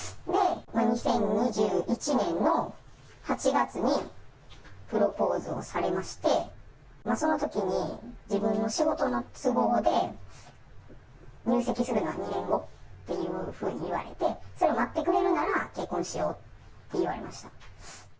２０２１年の８月に、プロポーズをされまして、そのときに自分の仕事の都合で、入籍するのは２年後というふうに言われて、それを待ってくれるなら、結婚しようって言われました。